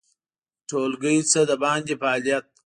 د ټولګي نه د باندې فعالیت